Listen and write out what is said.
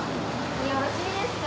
よろしいですか？